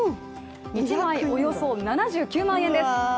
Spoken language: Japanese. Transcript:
１枚およそ７９万円です。